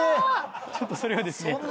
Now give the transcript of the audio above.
ちょっとそれはですね。